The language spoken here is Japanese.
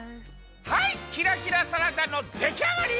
はいキラキラサラダのできあがり！